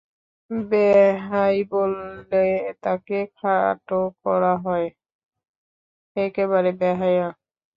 বেহাই বললে তাঁকে খাটো করা হয়, একেবারে বেহায়া।